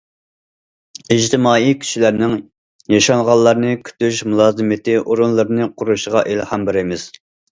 ئىجتىمائىي كۈچلەرنىڭ ياشانغانلارنى كۈتۈش مۇلازىمىتى ئورۇنلىرىنى قۇرۇشىغا ئىلھام بېرىمىز.